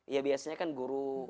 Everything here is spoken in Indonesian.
ya biasanya kan guru